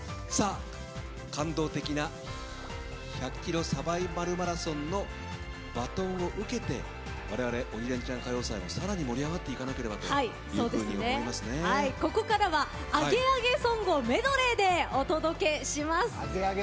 感動的な１００ｋｍサバイバルマラソンのバトンを受けて我々「鬼レンチャン歌謡祭」も更に盛り上がっていかなくてはここからはアゲアゲソングをメドレーでお届けします。